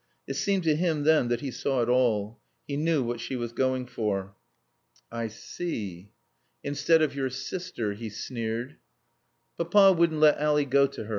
It seemed to him then that he saw it all. He knew what she was going for. "I see. Instead of your sister," he sneered. "Papa wouldn't let Ally go to her.